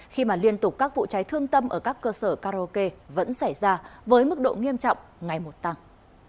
khi mà liên tục các vụ cháy thương tâm ở các cơ sở karaoke vẫn xảy ra với mức độ nghiêm trọng ngày một tăng